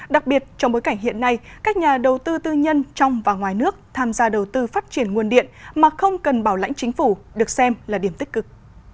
đặc biệt trong bối cảnh hiện nay các nhà đầu tư tư nhân trong và ngoài nước tham gia đầu tư phát triển nguồn điện mà không cần bảo lãnh chính phủ được xem là điểm tích cực